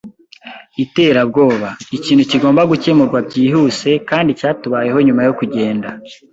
iterabwoba. Ikintu kigomba gukemurwa byihuse, kandi cyatubayeho nyuma yo kugenda